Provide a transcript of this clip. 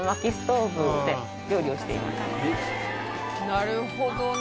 なるほどな。